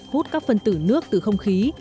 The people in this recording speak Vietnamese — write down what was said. hút các phân tử nước từ không khí